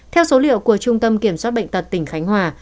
theo số liệu của trung tâm kiểm soát bệnh tật tỉnh khánh hòa